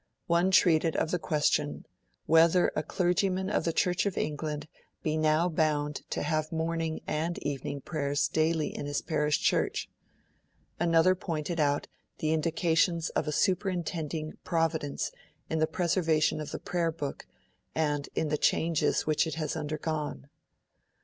One treated of the question 'whether a clergyman of the Church of England be now bound to have morning and evening prayers daily in his parish church?' Another pointed out the 'Indications of a superintending Providence in the preservation of the Prayer book and in the changes which it has undergone'.